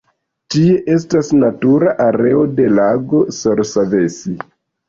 Tie estas natura areo de lago Sorsavesi.